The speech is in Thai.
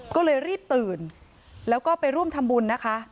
ก็เลยรีบตื่นแล้วก็ไปร่วมทำบุญนะคะ